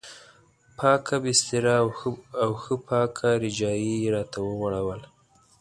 پاکه بستره او ښه پاکه رجایي یې راته وغوړوله.